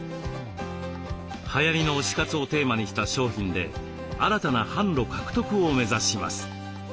はやりの推し活をテーマにした商品で新たな販路獲得を目指します。